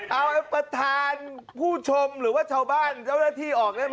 เอาประธานผู้ชมหรือว่าชาวบ้านเจ้าหน้าที่ออกได้ไหม